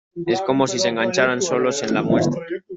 es como si se engancharan solos en la muestra.